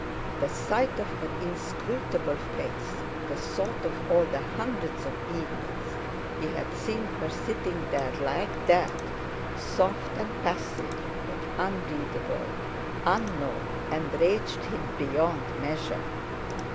The sight of her inscrutable face, the thought of all the hundreds of evenings he had seen her sitting there like that soft and passive, but unreadable, unknown, enraged him beyond measure.